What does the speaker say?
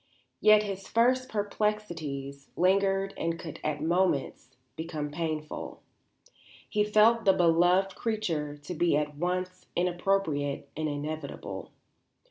Yet his first perplexities lingered and could at moments become painful. He felt the beloved creature to be at once inappropriate and inevitable.